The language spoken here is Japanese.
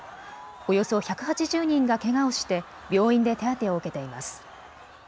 およそ１８０人がけがをして病院で手当てを受けています。